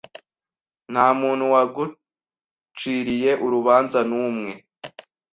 Nta muntu waguciriye urubanza numwe